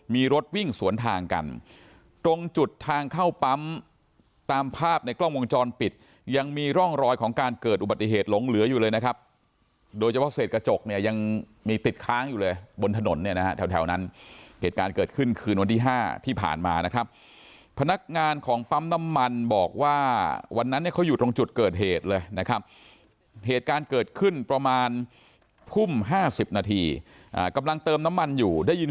มีรถวิ่งสวนทางกันตรงจุดทางเข้าปั๊มตามภาพในกล้องวงจรปิดยังมีร่องรอยของการเกิดอุบัติเหตุหลงเหลืออยู่เลยนะครับโดยเฉพาะเสร็จกระจกเนี่ยยังมีติดค้างอยู่เลยบนถนนเนี่ยนะฮะแถวแถวนั้นเหตุการณ์เกิดขึ้นคืนวันที่ห้าที่ผ่านมานะครับพนักงานของปั๊มน้ำมันบอกว่าวันนั้นเนี่ยเขาอยู่ตร